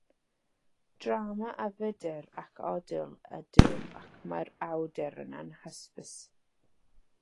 Drama ar fydr ac odl ydyw ac mae'r awdur yn anhysbys.